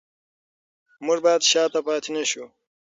موږ باید شاته پاتې نشو.